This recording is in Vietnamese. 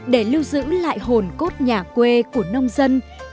để lưu giữ lại hồn cốt nhà quê của nông dân